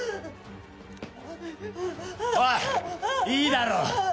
おいいいだろう。